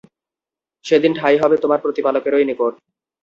সেদিন ঠাঁই হবে তোমার প্রতিপালকেরই নিকট।